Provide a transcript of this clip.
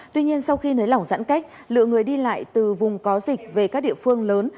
tuy nhiên sau khi nới lỏng giãn cách lượng người đi lại từ vùng có dịch về các địa phương lớn